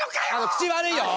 口悪いよ！